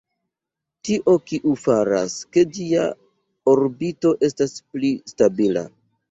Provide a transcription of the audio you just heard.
Tio, kiu faras, ke ĝia orbito estas pli stabila.